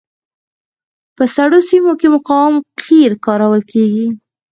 په سړو سیمو کې مقاوم قیر کارول کیږي